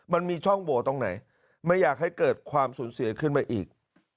มันมีช่องโหวตตรงไหนไม่อยากให้เกิดความสูญเสียขึ้นมาอีก